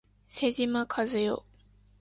妹島和世